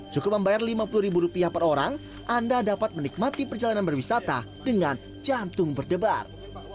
cukup membayar lima puluh ribu rupiah per orang anda dapat menikmati perjalanan berwisata dengan jantung berdebar